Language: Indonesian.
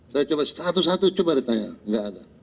saya coba satu satu coba ditanya nggak ada